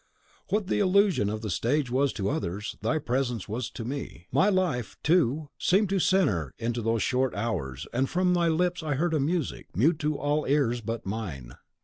What the delusion of the stage was to others, thy presence was to me. My life, too, seemed to centre into those short hours, and from thy lips I heard a music, mute to all ears but mine.